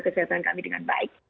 kesehatan kami dengan baik